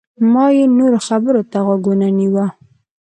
ما یې نورو خبرو ته غوږ ونه نیوه.